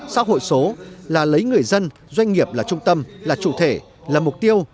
xã hội số là lấy người dân doanh nghiệp là trung tâm là chủ thể là mục tiêu